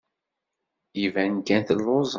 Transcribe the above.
Iban kan telluẓemt.